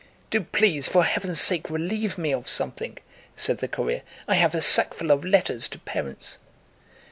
"Do, please, for heaven's sake, relieve me of something!" said the courier. "I have a sackful of letters to parents."